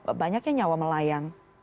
penyebab banyaknya nyawa melayang